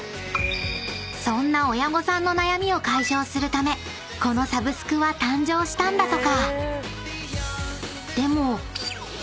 ［そんな親御さんの悩みを解消するためこのサブスクは誕生したんだとか］